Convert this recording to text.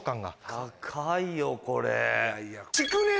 高いよこれ。